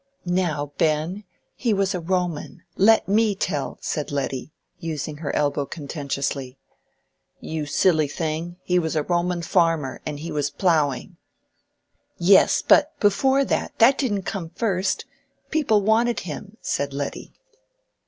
"Now, Ben, he was a Roman—let me tell," said Letty, using her elbow contentiously. "You silly thing, he was a Roman farmer, and he was ploughing." "Yes, but before that—that didn't come first—people wanted him," said Letty.